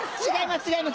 違います。